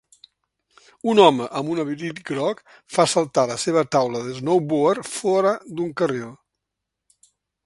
Un home amb un abric groc fa saltar la seva taula de snowboard fora d'un carril.